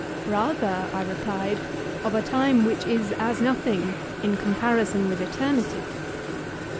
Rather, I replied, of a time which is as nothing in comparison with eternity.